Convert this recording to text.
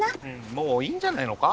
もういいんじゃねえのか？